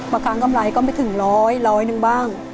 บางครั้งกำไรก็ไม่ถึงร้อยร้อยหนึ่งบ้าง